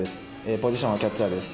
ポジションはキャッチャーです。